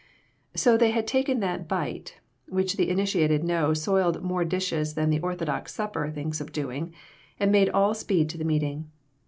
So they had taken that "bite" which the ini tiated know soiled more dishes than the orthodox supper thinks of doing, and made all speed to the meeting.